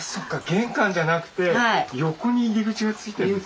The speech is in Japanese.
玄関じゃなくて横に入り口が付いてるんですね。